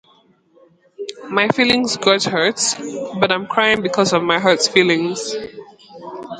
My head got hurt but I'm crying because of my hurt feelings.